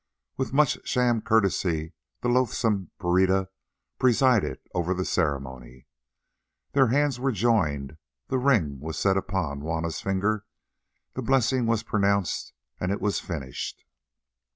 With much sham courtesy the loathsome Pereira presided over the ceremony—their hands were joined, the ring was set upon Juanna's finger, the blessing was pronounced, and it was finished.